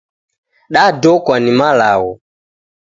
Dadokwa ni malagho